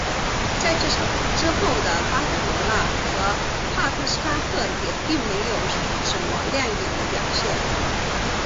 在之后的巴塞罗那和帕特沙赫也并没有什么亮眼的表现。